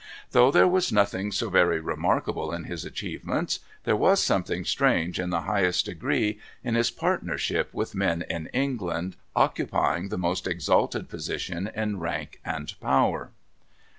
Though there was nothing so very remarkable in his achievements, there was something strange in the highest degree, in his partnership with men in England occupying the most exalted position in rank and power.